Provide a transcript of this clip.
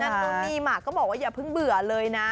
นู่นนี่มาก็บอกว่าอย่าเพิ่งเบื่อเลยนะ